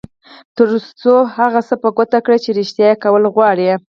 تر څو هغه څه په ګوته کړئ چې رېښتيا یې کول غواړئ.